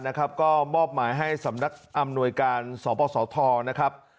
นะครับก็มอบหมายให้สำนักอำนวยการสปสทนะครับ